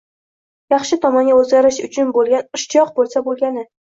Yaxshi tomonga o’zgarish uchun bo’lgan ishtiyoq bo’lsa bo’lgani!